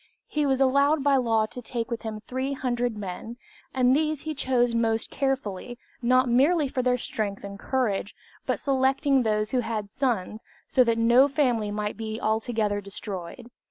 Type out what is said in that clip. He was allowed by law to take with him 300 men, and these he chose most carefully, not merely for their strength and courage, but selecting those who had sons, so that no family might be altogether destroyed.